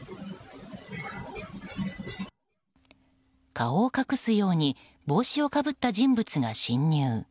顔を隠すように帽子をかぶった人物が侵入。